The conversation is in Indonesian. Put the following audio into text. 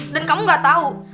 dan kamu gak tau